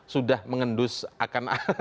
sudah mengendus akan